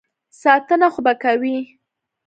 ساتنه خو به کوي.